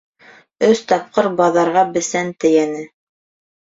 Өс тапҡыр баҙарға бесән тейәне.